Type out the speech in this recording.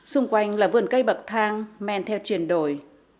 xung quanh là vườn cây bậc thang men theo truyền đổi